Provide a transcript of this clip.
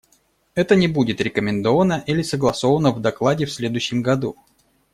Это не будет рекомендовано или согласовано в докладе в следующем году.